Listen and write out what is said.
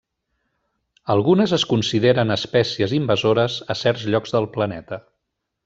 Algunes es consideren espècies invasores a certs llocs del planeta.